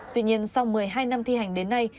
tuy nhiên sau một mươi hai năm thi hành đến nay